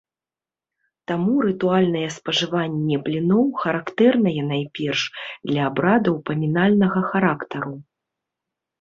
Таму рытуальнае спажыванне бліноў характэрнае найперш для абрадаў памінальнага характару.